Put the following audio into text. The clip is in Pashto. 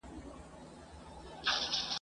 نه یې زړه له شکایت څخه سړیږي ..